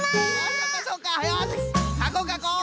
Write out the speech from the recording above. よしかこうかこう！